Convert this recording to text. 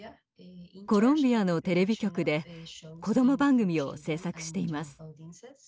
コロンビアのテレビ局で子ども番組を制作しています。